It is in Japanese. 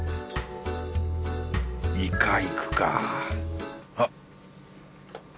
いかいくかあっ